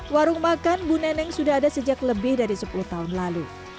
warung makan bu neneng sudah ada sejak lebih dari sepuluh tahun lalu